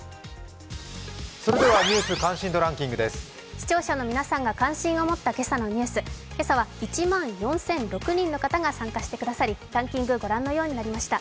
視聴者の皆さんが関心を持った今朝のニュース、今朝は１万４００６人の方が参加してくださりランキングはご覧のようになりました。